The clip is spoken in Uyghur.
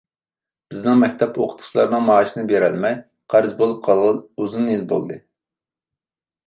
بىزنىڭ مەكتەپ ئوقۇتقۇچىلارنىڭ مائاشىنى بېرەلمەي، قەرز بولۇپ قالغىلى ئۇزۇن يىل بولدى.